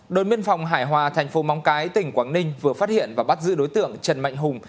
đồn biên phòng hải hòa thành phố móng cái tỉnh quảng ninh vừa phát hiện và bắt giữ đối tượng trần mạnh hùng